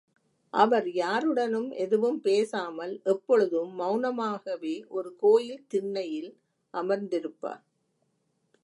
அவர் யாருடனும் எதுவும் பேசாமல் எப்பொழுதும் மெளனமாகவே ஒரு கோயில் திண்ணையில் அமர்ந்திருப்பார்.